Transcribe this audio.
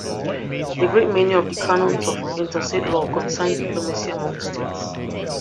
A great many of the canons of interstate law concerned diplomacy among the states.